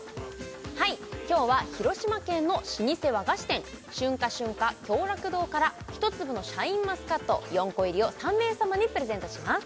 はい今日は広島県の老舗和菓子店旬果瞬菓共楽堂からひとつぶのシャインマスカット４個入りを３名様にプレゼントします